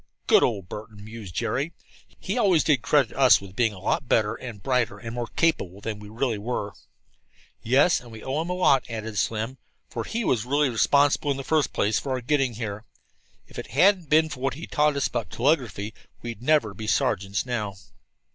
"Good old Burton!" mused Jerry. "He always did credit us with being a lot better and brighter and more capable than we really were." "Yes, and we owe him a lot," added Slim, "for he was really responsible in the first place for our getting here. If it hadn't been for what he taught us about telegraphy we'd never be sergeants now."